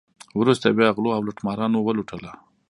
وروسته بیا غلو او لوټمارانو ولوټله.